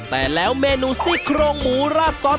แต่แล้วเมนูซี่โครงหมูราดซอส